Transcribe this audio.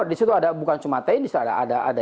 di situ ada bukan cuma teknis ada